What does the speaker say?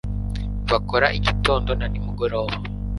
Bakora Igitondo na nimugoroba